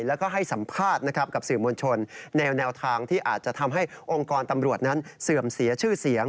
แล้วก็ให้สัมภาษณ์นะครับกับสื่อมวลชนแนวทางที่อาจจะทำให้องค์กรตำรวจนั้นเสื่อมเสียชื่อเสียง